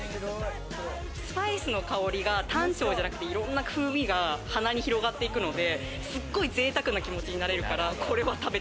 スパイスの香りが単調じゃなくて、いろんな風味が鼻に広がっていくのですごいぜいたくな気持ちになれるから。